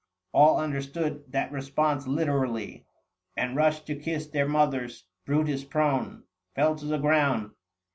All understood that response literally, 60 THE FASTI. Book II. And rushed to kiss their mothers : Brutus prone Fell to the ground.